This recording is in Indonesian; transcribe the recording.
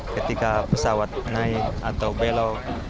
ketika pesawat naik atau belok